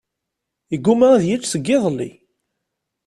Iguma ad yečč seg iḍelli.